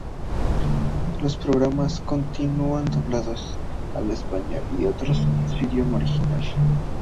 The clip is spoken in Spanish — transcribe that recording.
Los programas continúan doblados al español y otros en su idioma original.